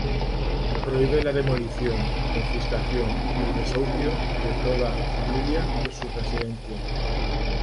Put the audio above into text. Prohíbe la demolición, confiscación y el desahucio de toda familia de su residencia.